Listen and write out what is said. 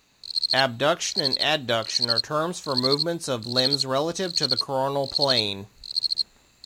Abduction and adduction are terms for movements of limbs relative to the coronal plane.